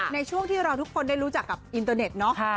ในช่วงที่เราทุกคนได้รู้จักกับอินเตอร์เน็ตเนาะ